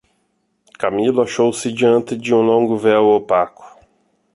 Camilo achou-se diante de um longo véu opaco...